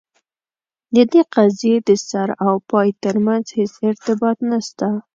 د دې قضیې د سر او پای ترمنځ هیڅ ارتباط نسته.